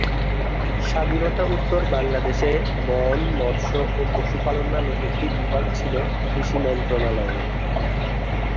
স্বাধীনতা উত্তর বাংলাদেশে বন, মৎস্য ও পশুপালন নামে একটি বিভাগ ছিল কৃষি মন্ত্রণালয়ের।